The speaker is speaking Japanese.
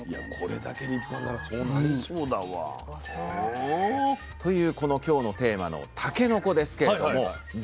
これだけ立派ならそうなりそうだわ。というこの今日のテーマのたけのこですけれども実はですね